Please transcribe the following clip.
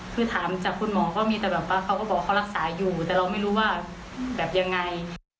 คือถามจากคุณหมอก็มีแต่แบบว่าเขาก็บอกเขารักษาอยู่แต่เราไม่รู้ว่าแบบยังไง